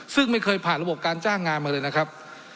ซึ่งไม่เคยผ่านระบบการจ้างงานมาเลยนะครับ